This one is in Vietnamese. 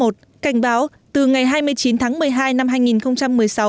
cảnh báo từ ngày hai mươi chín tháng một mươi hai năm hai nghìn một mươi sáu